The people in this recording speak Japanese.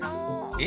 え？